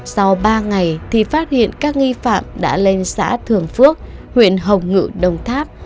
sau ba ngày thì phát hiện các nghi phạm đã lên xã thường phước huyện hồng ngự đồng tháp